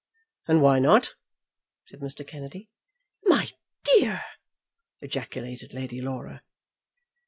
"And why not?" said Mr. Kennedy. "My dear!" ejaculated Lady Laura.